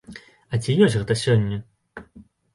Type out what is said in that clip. А ці ёсць гэта сёння?